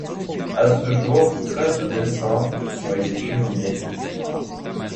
À ce jour, près de dessins ont été publiés.